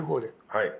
はい。